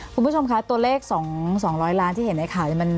คุณผู้ชมคะตัวเลข๒๐๐ล้านที่เห็นในขาด